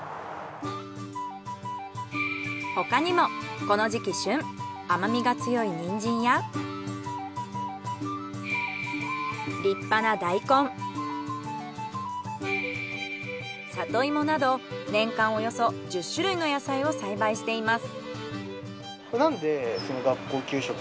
他にもこの時期旬甘みが強いニンジンや立派な大根里芋など年間およそ１０種類の野菜を栽培しています。